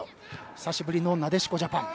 久しぶりのなでしこジャパン。